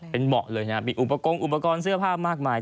เป็นเบาะเลยนะครับมีอุปกรณ์เสื้อภาพมากมาย